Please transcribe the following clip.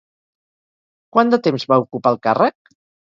Quant de temps va ocupar el càrrec?